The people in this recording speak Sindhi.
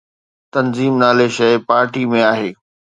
تنظيم نالي شيءِ پارٽي ۾ آهي.